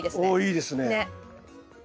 おおいいですね。